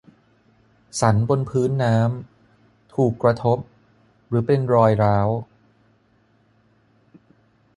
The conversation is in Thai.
สันบนพื้นน้ำ ถูกกระทบ หรือเป็นรอยร้าว